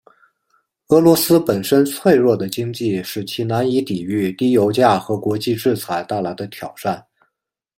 俄罗斯本身脆弱的经济使其难以抵御低油价和国际制裁带来的挑战。